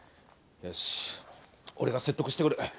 よし俺が説得してくる。